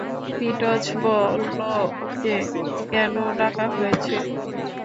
ফিটজ, বলো ওকে কেন ডাকা হয়েছে।